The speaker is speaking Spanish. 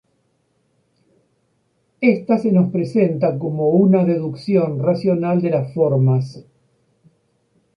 Esta se nos presenta como una deducción racional de las Formas.